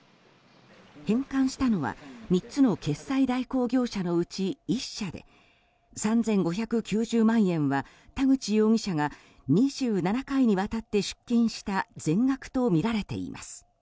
返還したのは、３つの決済代行業者のうち１社で３５９０万円は田口容疑者が２７回にわたって出金した全額とみられています。